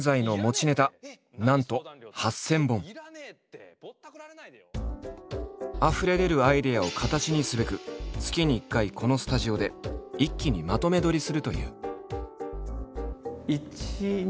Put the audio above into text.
現在のあふれ出るアイデアを形にすべく月に１回このスタジオで一気にまとめ撮りするという。